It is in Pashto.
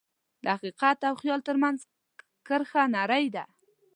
د حقیقت او خیال ترمنځ کرښه نری ده.